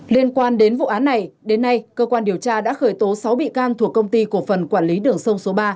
liên quan đến vụ án này đến nay cơ quan điều tra đã khởi tố sáu bị can thuộc công ty cổ phần quản lý đường sông số ba